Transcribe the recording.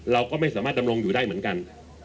เราก็ไม่สามารถดำรงอยู่ได้เหมือนกัน